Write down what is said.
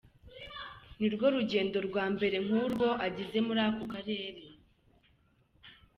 Ni rwo rugendo rwa mbere nk'urwo agize muri ako karere.